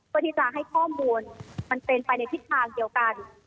กดทิจางให้ข้อมูลมันเป็นไปในทิศทางเดียวกัน